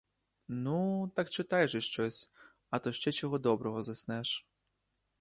Ну, так читай же щось, а то ще чого доброго заснеш.